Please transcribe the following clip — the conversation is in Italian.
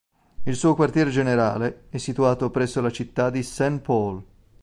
Il suo quartier generale è situato presso la città di Saint Paul.